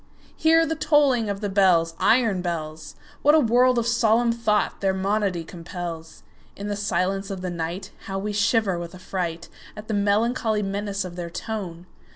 Hear the tolling of the bells, Iron bells! What a world of solemn thought their monody compels! In the silence of the nightHow we shiver with affrightAt the melancholy menace of their tone!